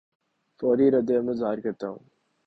فوری رد عمل ظاہر کرتا ہوں